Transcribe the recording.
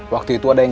waktu itu ada yang